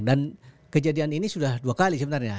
dan kejadian ini sudah dua kali sebenarnya